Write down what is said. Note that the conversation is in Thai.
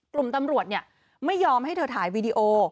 กลุ่มตำรวจไม่ยอมให้เธอถ่ายวีดีโอ